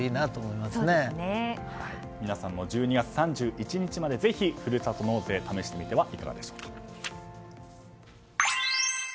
皆さんも１２月３１日までぜひ、ふるさと納税試してみてはいかがでしょうか。